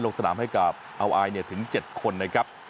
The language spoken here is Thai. ลงสนามให้กลับเอาไอถึงเจ็ดคนนะครับ